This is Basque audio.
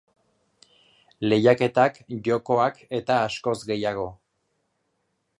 Lehiaketak, jokoak eta askoz gehiago.